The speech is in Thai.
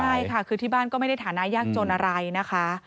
ใช่ค่ะคือที่บ้านก็ไม่ได้ฐานะยากจนอะไรนะคะ